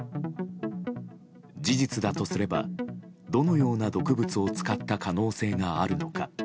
事実だとすればどのような毒物を使った可能性があるのか。